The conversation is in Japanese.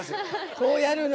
こうやるの。